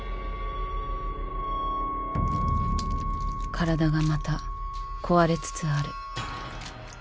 体がまた壊れつつある。